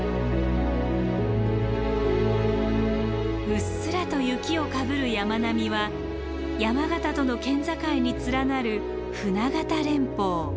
うっすらと雪をかぶる山並みは山形との県境に連なる船形連峰。